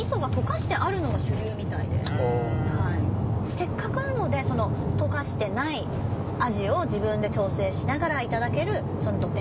せっかくなのでその「溶かしてない味をジブンで調整しながらいただける土手鍋」とはいはい。